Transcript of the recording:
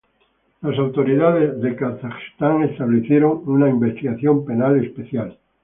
Las autoridades de Kazajstán establecieron una investigación penal especial.